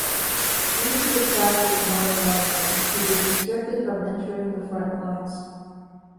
Due to the fact of non-alignment, he was restricted from entering the front-lines.